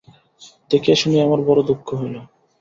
দেখিয়া শুনিয়া আমার বড়ো দুঃখ হইল।